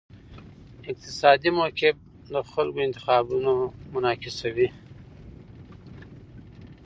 اقتصادي موقف د خلکو انتخابونه منعکسوي.